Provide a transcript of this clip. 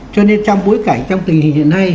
cho nên trong bối cảnh trong tình hình hiện nay